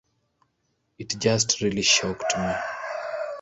It just really shocked me.